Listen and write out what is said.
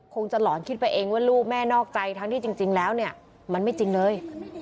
คงจะหลอนคิดไปเองว่าลูกแม่นอกใจทั้งที่จริงแล้วเนี่ยมันไม่จริงเลย